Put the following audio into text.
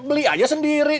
beli aja sendiri